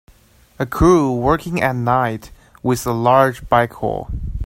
A crew working at night with a large backhoe.